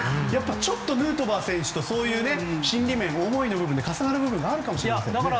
ちょっとヌートバー選手と心理面思いの部分で重なる部分があるかもしれませんね。